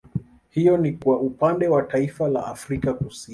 Hiyo ni kwa Upande wa Taifa la Afrika Kusini